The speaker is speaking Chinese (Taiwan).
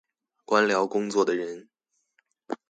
官僚工作的人